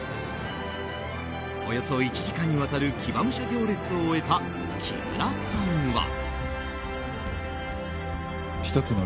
およそ１時間にわたる騎馬武者行列を終えた木村さんは。